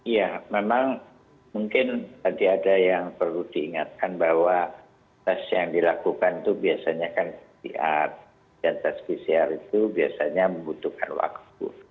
ya memang mungkin tadi ada yang perlu diingatkan bahwa tes yang dilakukan itu biasanya kan pcr dan tes pcr itu biasanya membutuhkan waktu